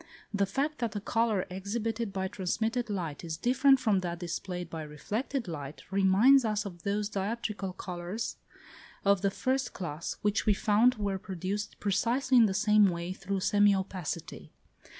The fact that a colour exhibited by transmitted light is different from that displayed by reflected light, reminds us of those dioptrical colours of the first class which we found were produced precisely in the same way through semi opacity.